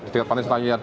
di dekat pantai selayar